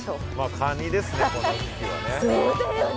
カニですねこの時期はね。